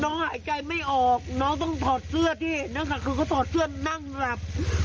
น้องหายใจไม่ออกน้องต้องถอดเสื้อที่เห็นค่ะ